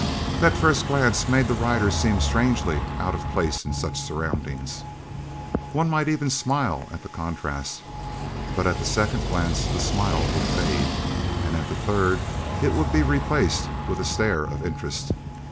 That first glance made the rider seem strangely out of place in such surroundings. One might even smile at the contrast, but at the second glance the smile would fade, and at the third, it would be replaced with a stare of interest.